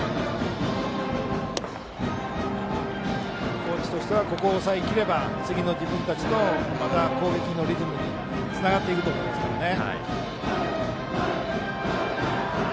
高知としてはここを抑え切れば次の、自分たちの攻撃のリズムにつながっていくと思いますからね。